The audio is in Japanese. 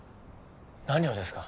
何をですか？